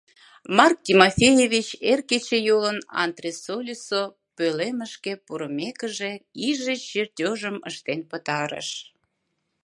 Марк Тимофеевич эр кечыйолын антресольысо пӧлемышке пурымекыже иже чертёжым ыштен пытарыш.